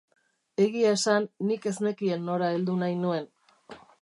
Egia esan, nik ez nekien nora heldu nahi nuen.